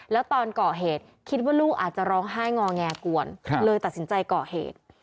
แล้วตอนก่อเหตุคิดว่าลูกอาจจะร้องไห้งอแงกวนเลยตัดสินใจก่อเหตุ